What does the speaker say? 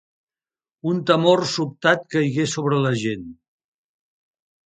Un temor sobtat caigué sobre la gent.